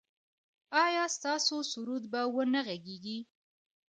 ایا ستاسو سرود به و نه غږیږي؟